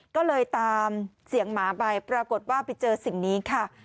ก็เลยตามเสียงหมาไปปรากฏว่าไปเจอสิ่งนี้ค่ะ